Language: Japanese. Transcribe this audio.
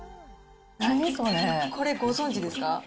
これ、ご存じですか？